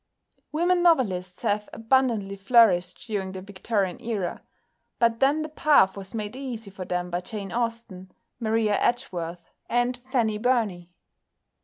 Women novelists have abundantly flourished during the Victorian Era, but then the path was made easy for them by Jane Austen, Maria Edgeworth, and Fanny Burney.